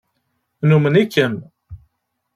Numen-ikem.